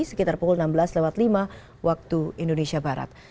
sekitar pukul enam belas lima waktu indonesia barat